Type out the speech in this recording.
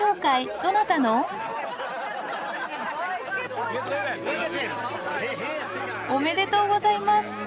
どなたの？おめでとうございます。